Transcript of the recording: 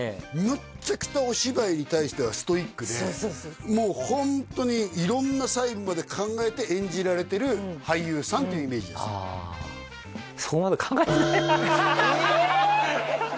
むちゃくちゃお芝居に対してはストイックでもうホントに色んな細部まで考えて演じられてる俳優さんというイメージですああええ！